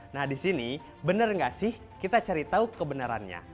nah disini bener gak sih kita cari tahu kebenerannya